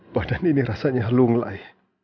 badan ini rasanya lunglai